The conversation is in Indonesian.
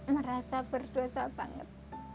merasa berdosa banget